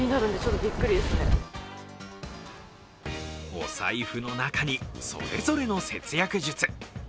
お財布の中にそれぞれの節約術。